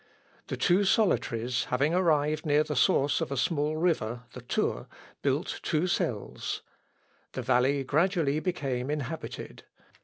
The two solitaries having arrived near the source of a small river, (the Thur,) built two cells. The valley gradually became inhabited.